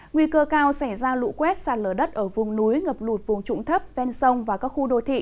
nguy cơ cao xảy ra lũ quét sạt lở đất ở vùng núi ngập lụt vùng trụng thấp ven sông và các khu đô thị